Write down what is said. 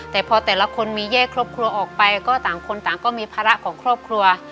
แต่พอแต่ละคนมีแยกครอบครัวออกไปก็ต่างคนต่างก็มีภาระของครอบครัว